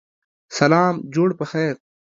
سلام جوړ پخیر